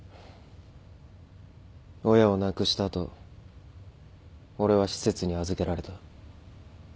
親を亡くした後俺は施設に預けられた。